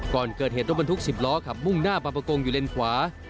ก่อนเกิดเหตุบันทึกสิบล้อขับมุ่งหน้าปะปะกงอยู่เลนขวา